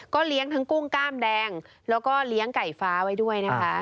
เลี้ยงทั้งกุ้งกล้ามแดงแล้วก็เลี้ยงไก่ฟ้าไว้ด้วยนะคะ